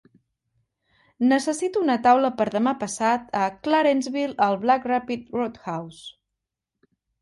Necessito una taula per demà passat a Clarenceville al Black Rapids Roadhouse